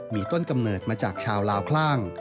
มีต้นกำเนิดมาจากชาวลาวคลั่ง